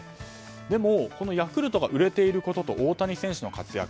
でもヤクルトが売れていることと大谷選手の活躍